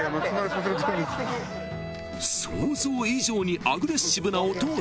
［想像以上にアグレッシブなお父さん］